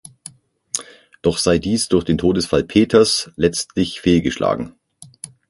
Doch sei dies durch den Todesfall „Peters“ letztlich fehlgeschlagen.